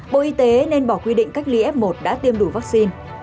bộ y tế nên bỏ quy định cách ly f một đã tiêm đủ vaccine